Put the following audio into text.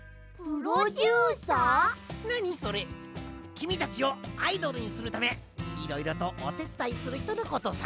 きみたちをアイドルにするためいろいろとおてつだいするひとのことさ。